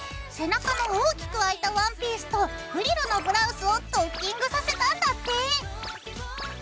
背中の大きくあいたワンピースとフリルのブラウスをドッキングさせたんだって。